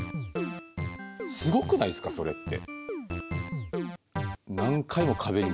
すごくないですかそれって。